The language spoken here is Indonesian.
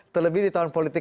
terlebih di tahun politik